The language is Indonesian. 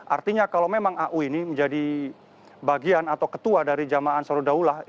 artinya kalau memang au ini menjadi bagian atau ketua dari jamaah ansaruddaullah